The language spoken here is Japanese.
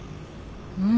うん。